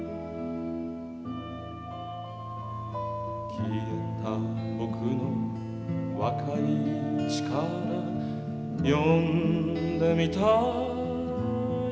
「消えた僕の若い力呼んでみたい」